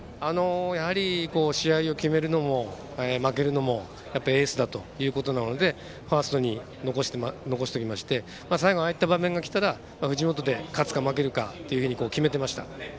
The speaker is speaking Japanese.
試合を決めるのも負けるのもエースということでファーストに残しまして最後、ああいう場面がきたら藤本で勝つか負けるかというふうに決めていました。